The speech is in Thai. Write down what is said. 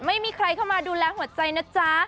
ไม่มีใครเข้ามาดูแลหัวใจนะจ๊ะ